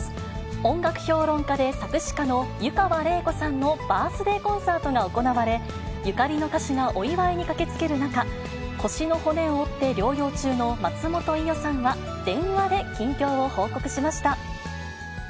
音楽評論家で作詞家の湯川れい子さんのバースデーコンサートが行われ、ゆかりの歌手がお祝いに駆けつける中、腰の骨を折って療養中の松本伊代さんは、電話で近況を報告しました。